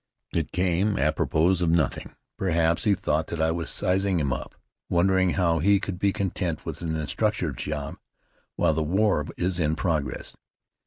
It came apropos of nothing. Perhaps he thought that I was sizing him up, wondering how he could be content with an instructor's job while the war is in progress.